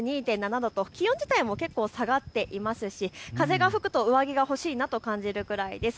気温自体も下がっていますし風が吹くと上着が欲しいなと感じるくらいです。